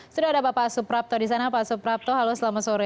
sudah ada bapak suprapto di sana pak suprapto halo selamat sore